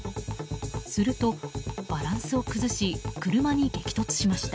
すると、バランスを崩し車に激突しました。